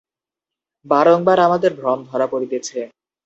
বারংবার আমাদের ভ্রম ধরা পড়িতেছে।